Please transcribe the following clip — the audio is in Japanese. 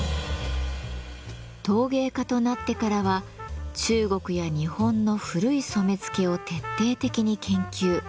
陶芸家となってからは中国や日本の古い染付を徹底的に研究。